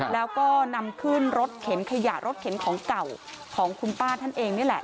แล้วก็นำขึ้นรถเข็นขยะรถเข็นของเก่าของคุณป้าท่านเองนี่แหละ